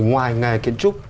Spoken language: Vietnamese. ngoài nghề kiến trúc